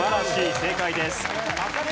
正解です。